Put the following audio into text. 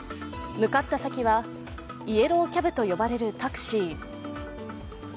向かった先は、イエローキャブと呼ばれるタクシー。